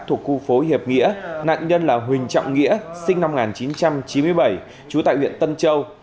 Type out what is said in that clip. thuộc khu phố hiệp nghĩa nạn nhân là huỳnh trọng nghĩa sinh năm một nghìn chín trăm chín mươi bảy trú tại huyện tân châu